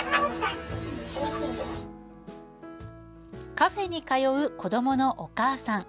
カフェに通う子どものお母さん。